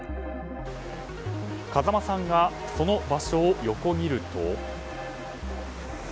風間さんがその場所を横切ると。